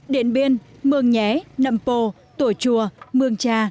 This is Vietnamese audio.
điện biên mương nhé nậm pồ tổ chùa mương trà